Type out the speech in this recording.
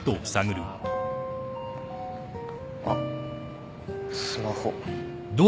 あっスマホ。